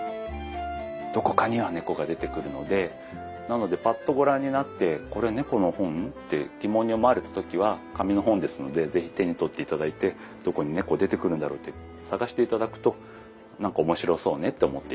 どこかには猫が出てくるのでなのでパッとご覧になってこれ猫の本？って疑問に思われた時は紙の本ですので是非手に取って頂いてどこに猫出てくるんだろうって探して頂くとなんか面白そうねって思って頂けたり。